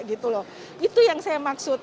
itu yang saya maksud